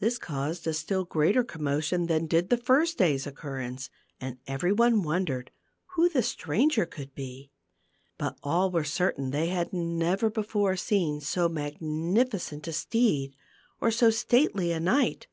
This caused a still greater commotion than did the first day's occurrence, and every one wondered who the stranger could be. But all were certain that they had never before seen so magnificent a steed, or so stately a knight.